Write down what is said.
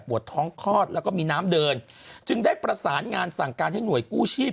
ท้องคลอดแล้วก็มีน้ำเดินจึงได้ประสานงานสั่งการให้หน่วยกู้ชีพ